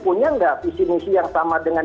punya nggak visi misi yang sama dengan